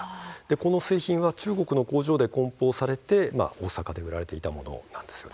この製品は中国の工場でこん包されて大阪で売られていたものなんです。